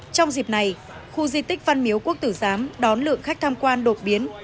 trong dịp này khu di tích văn miếu quốc tử giám đón lượng khách tham quan đột biến